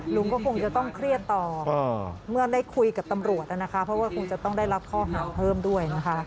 ลุงก็คงจะต้องเครียดต่อเมื่อได้คุยกับตำรวจนะคะเพราะว่าคงจะต้องได้รับข้อหาเพิ่มด้วยนะคะ